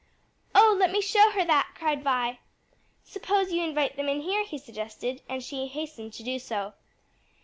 "Oh, let me show her that!" cried Vi. "Suppose you invite them in here," he suggested, and she hastened to do so.